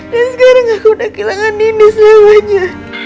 dan sekarang aku udah kehilangan nini selamanya